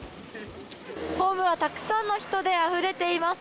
ホームはたくさんの人であふれています。